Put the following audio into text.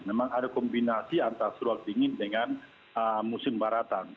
memang ada kombinasi antara surut dingin dengan musim baratan